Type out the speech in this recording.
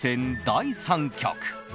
第３局。